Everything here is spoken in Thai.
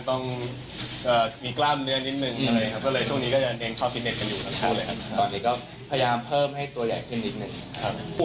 ก็ขอบคุณครับรู้สึกขอบคุณที่แฟนอย่างเท่าสุดอยู่